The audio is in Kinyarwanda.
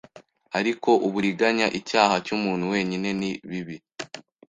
Ariko uburiganya icyaha cyumuntu wenyine ni bibi